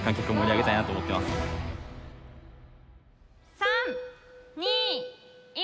３２１。